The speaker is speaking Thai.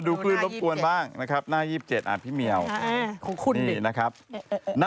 ตุ๊กดวงตาหรือเปล่า